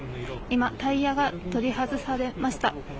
今、タイヤが取り外されました。